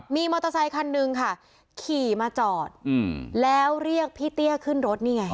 มีมอเตอร์ไซคันนึงค่ะขี่มาจอดแล้วเรียกพี่เตี้ยขึ้นรถนี่ไง